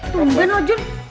tumben loh jun